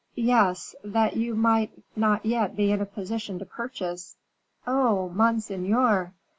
"Yes; that you might not yet be in a position to purchase." "Oh, monseigneur!"